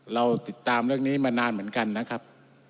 เราติดตามเรื่องนี้มานานเหมือนกันนะครับ